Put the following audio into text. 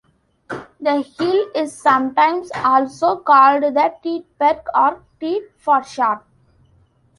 The hill is sometimes also called the "Teutberg" or "Teut" for short.